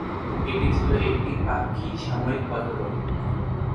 এটি ছিল একটি পাক্ষিক সাময়িক পত্র।